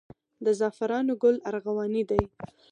د زعفرانو ګل ارغواني دی